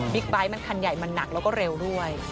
ไบท์มันคันใหญ่มันหนักแล้วก็เร็วด้วย